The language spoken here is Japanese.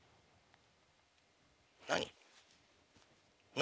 「何？